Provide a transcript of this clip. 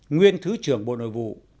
nguyên thứ trưởng bộ nội vụ